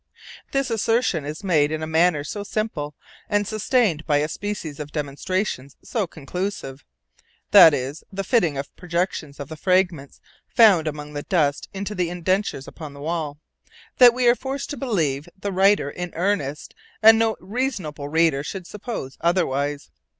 _This assertion is made in a manner so simple, and sustained by a species of demonstration so conclusive (viz., the fitting of the projections of the fragments found among the dust into the indentures upon the wall), that we are forced to believe the writer in earnest; and no reasonable reader should suppose otherwise.